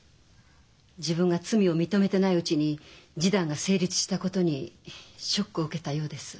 自分が罪を認めてないうちに示談が成立したことにショックを受けたようです。